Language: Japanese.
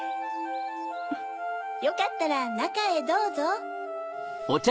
よかったらなかへどうぞ。